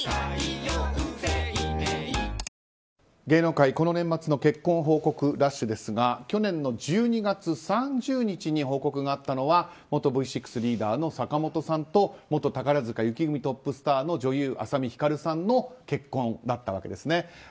芸能界、この年末の結婚報告ラッシュですが去年の１２月３０日に報告があったのは元Ｖ６リーダーの坂本さんと元宝塚雪組トップスターの女優・朝海ひかるさんの結婚だったわけでえす。